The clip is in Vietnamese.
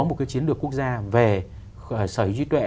một cái chiến lược quốc gia về sở hữu trí tuệ